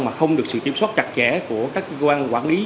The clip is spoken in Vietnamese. mà không được sự kiểm soát chặt chẽ của các cơ quan quản lý